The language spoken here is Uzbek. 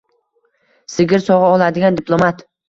Sigir sog‘a oladigan diplomat